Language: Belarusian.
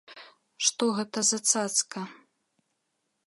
Што гэта за цацка?